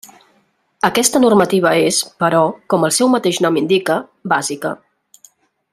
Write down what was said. Aquesta normativa és, però, com el seu mateix nom indica, bàsica.